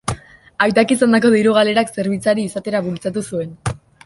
Aitak izandako diru galerak zerbitzari izatera bultzatu zuen.